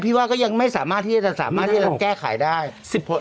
พี่ว่าก็ยังไม่สามารถที่จะแก้ไขได้